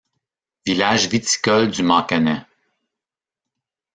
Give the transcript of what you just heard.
Village viticole du Mâconnais.